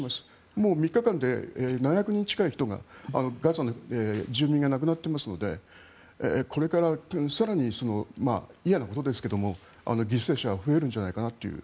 もう３日間で７００人近い人がガザで住民が亡くなっていますのでこれから更に嫌なことですが犠牲者が増えるんじゃないかなという。